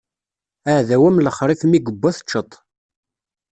Aɛdaw am lexṛif mi iwwa teččeḍ-t.